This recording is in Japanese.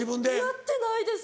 やってないです！